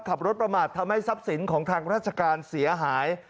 ขับรถประมาททำให้ทรัพย์สินของทางราชการเสียหาย